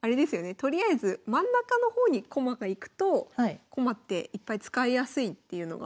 とりあえず真ん中の方に駒が行くと駒っていっぱい使いやすいっていうのが。